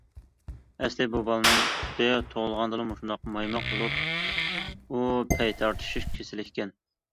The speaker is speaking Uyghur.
ئەسلىي بۇ بالىنىڭ پۇتى تۇغۇلغاندىلا مۇشۇنداق مايماق بولۇپ، ئۇ پەي تارتىشىش كېسىلى ئىكەن.